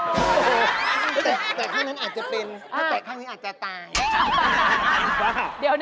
แตะข้างนั้นอาจจะเป็น